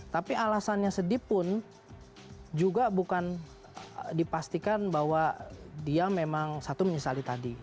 tapi alasannya sedih pun juga bukan dipastikan bahwa dia memang satu menyesali tadi